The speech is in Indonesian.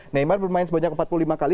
neymar bermain sebanyak empat puluh lima kali